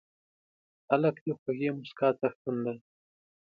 هلک د خوږې موسکا څښتن دی.